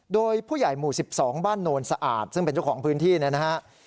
โดยผู้ใหญ่หมู่๑๒บ้านโนนสะอาดซึ่งเป็นเจ้าของพื้นที่เนี่ยนะฮะ